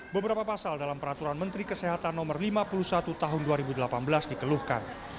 beberapa pasal dalam peraturan menteri kesehatan no lima puluh satu tahun dua ribu delapan belas dikeluhkan